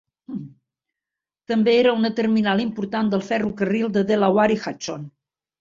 També era una terminal important del ferrocarril de Delaware i Hudson.